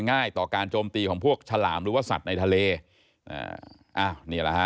ง่ายต่อการโจมตีของพวกฉลามหรือว่าสัตว์ในทะเลอ่าอ้าวนี่แหละฮะ